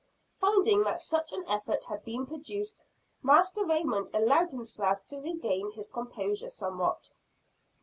Finding that such an effect had been produced, Master Raymond allowed himself to regain his composure somewhat.